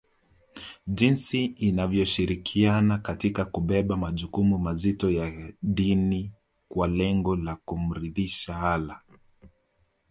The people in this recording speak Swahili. jinsi inavyoshirikiana katika kubeba majukumu mazito ya kidini kwa lengo la kumridhisha Allah